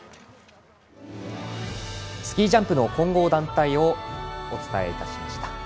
スキージャンプの混合団体お伝えいたしました。